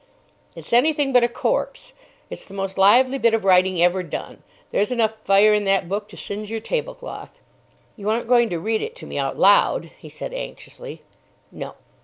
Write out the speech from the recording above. "It's anything but a corpse. It's the most lively bit of writing ever done. There's enough fire in that book to singe your tablecloth." "You aren't going to read it to me out loud?" he said anxiously. "No."